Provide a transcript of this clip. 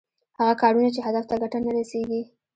هغه کارونه چې هدف ته ګټه نه رسېږي.